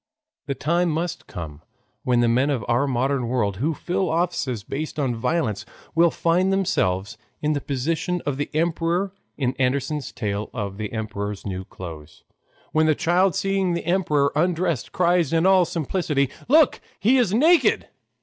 The time must come when the men of our modern world who fill offices based upon violence will find themselves in the position of the emperor in Andersen's tale of "The Emperor's New Clothes," when the child seeing the emperor undressed, cried in all simplicity, "Look, he is naked!"